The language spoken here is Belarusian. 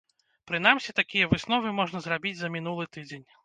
Прынамсі, такія высновы можна зрабіць за мінулы тыдзень.